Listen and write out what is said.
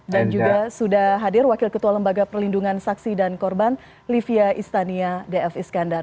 dan juga sudah hadir wakil ketua lembaga perlindungan saksi dan korban livia istania d f iskandar